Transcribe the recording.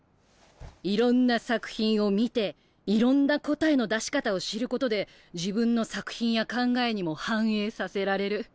いろんな作品を見ていろんな答えの出し方を知ることで自分の作品や考えにも反映させられる。